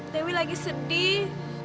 dewi lagi sedih